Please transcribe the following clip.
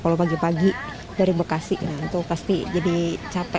kalau pagi pagi dari bekasi itu pasti jadi capek